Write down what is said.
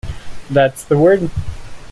That's the word.